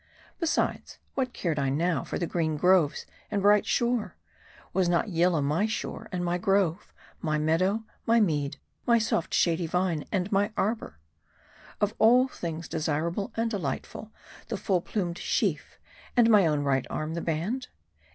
Besides, what cared I now for the green groves and bright shore ? Was not Yillah my shore and my grove ? my meadow, rny mead, my soft shady vine, and my arbor ? Of all things desirable and delightful, the full plumed sheaf, and my own right arm the band